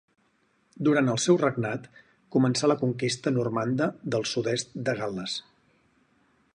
Durant el seu regnat, començà la conquesta normanda del sud-est de Gal·les.